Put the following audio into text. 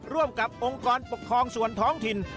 ร่วมกับองค์กรปกครองส่วนท้องถิ่น